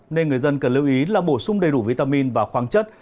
nên người dân cần lưu ý là bổ sung đầy đủ vitamin và khoáng chất